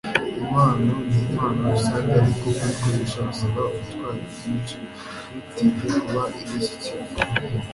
impano ni impano rusange, ariko kuyikoresha bisaba ubutwari bwinshi ntutinye kuba indashyikirwa